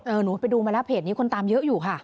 หนูไปดูมาแล้วเพจนี้คนตามเยอะอยู่ค่ะ